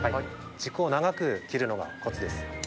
軸を長く切るのがコツです。